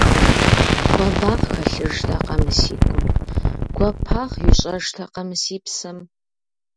Хуабагъ хэлъыжтэкъэ мы си гум, гуапагъ ищӀэжтэкъэ мы си псэм?